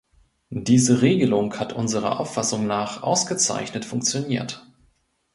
Diese Regelung hat unserer Auffassung nach ausgezeichnet funktioniert.